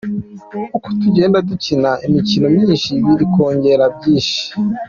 Uko tugenda dukina imikino myinshi biri kongera byinshi.